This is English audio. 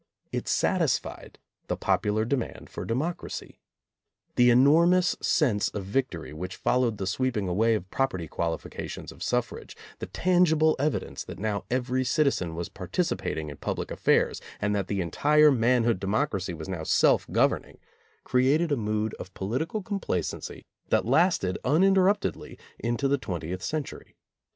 It satisfied the popular demand for democracy. The enormous sense of victory which followed the sweeping away of property qualifications of suffrage, the tangible evidence that now every citizen was participating in public affairs, and that the entire manhood de mocracy was now self governing, created a mood [ 220 ] of political complacency that lasted uninterrupt edly into the twentieth century.